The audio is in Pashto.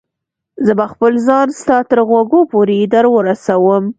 زه به خپل ځان ستا تر غوږو پورې در ورسوم.